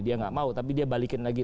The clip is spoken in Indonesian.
dia nggak mau tapi dia balikin lagi